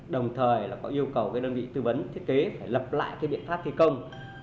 đồng thời là yêu cầu đơn vị tư vấn thiết kế phải lập lại biện pháp thi công